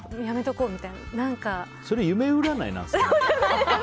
それ夢占いなんですかね。